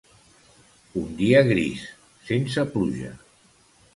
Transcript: Un dia gris, sense pluja.